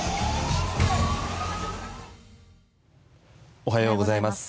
おはようございます。